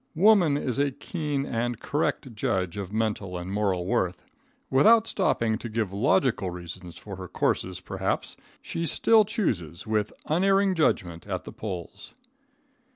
Woman is a keen and correct judge of mental and moral worth. Without stopping to give logical reasons for her course, perhaps, she still chooses with unerring judgment at the polls.